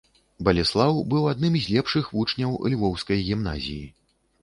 Балеслаў быў адным з лепшых вучняў львоўскай гімназіі.